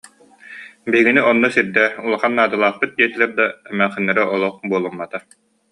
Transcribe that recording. Биһигини онно сирдээ, улахан наадалаахпыт диэтилэр да, эмээхсиннэрэ олох буолуммата